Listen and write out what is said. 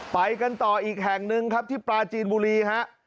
ไปกันต่ออีกแห่งหนึ่งครับที่ปลาจีนบุรีฮะ